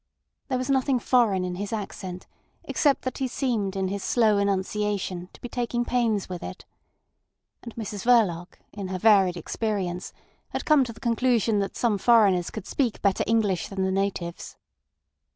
There was nothing foreign in his accent, except that he seemed in his slow enunciation to be taking pains with it. And Mrs Verloc, in her varied experience, had come to the conclusion that some foreigners could speak better English than the natives.